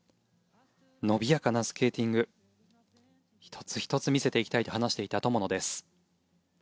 伸びやかなスケーティング１つ１つ見せていきたいと話していた友野です。